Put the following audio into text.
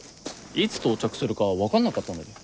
いつ到着するかわからなかったので。